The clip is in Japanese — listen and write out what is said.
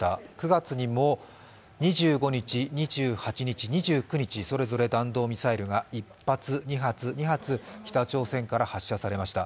９月にも２５日、２８日、２９日それぞれ弾道ミサイルが１発、２発、２発、北朝鮮から発射されました。